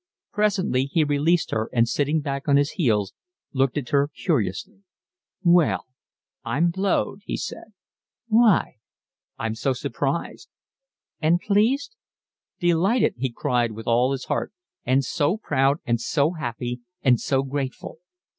Presently he released her and sitting back on his heels looked at her curiously. "Well, I'm blowed!" he said. "Why?" "I'm so surprised." "And pleased?" "Delighted," he cried with all his heart, "and so proud and so happy and so grateful."